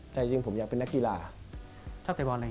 ใจจริงผมอยากเป็นนักกีฬากีฬา